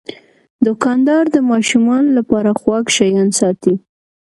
دوکاندار د ماشومانو لپاره خوږ شیان ساتي.